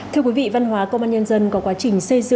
thưa quý vị văn hóa công an nhân dân có quá trình phát triển